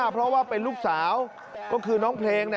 เพราะว่าเป็นลูกสาวก็คือน้องเพลง